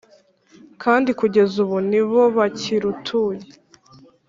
kandi kugeza ubu ni bo bakirutuye.